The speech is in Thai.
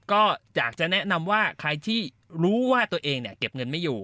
ก็อยากจะแนะนำว่าใครที่รู้ว่าตัวเองเก็บเงินไม่อยู่